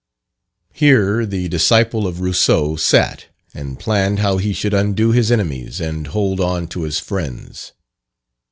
Here, the disciple of Rousseau sat and planned how he should outdo his enemies and hold on to his friends.